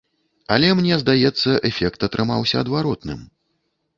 Але мне здаецца эфект атрымаўся адваротным.